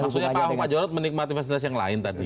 maksudnya pak ahok pak jarod menikmati fasilitas yang lain tadi